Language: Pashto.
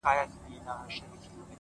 • خدای به یې کله عرضونه واوري ,